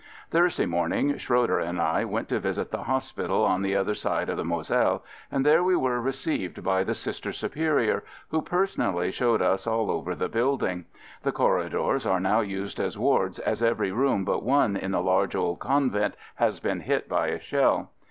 Thursday morning, Schroeder and I went FIELD SERVICE 71 to visit the hospital on the other side of the Moselle, and there we were received by the Sister Superior, who personally showed us all over the building. The corridors are now used as wards, as every room but one in the large old convent has been hit by a shell.